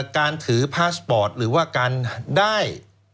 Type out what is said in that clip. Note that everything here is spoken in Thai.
การถือพาสปอร์ตหรือว่าการได้